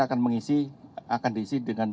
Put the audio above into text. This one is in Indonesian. akan mengisi akan diisi dengan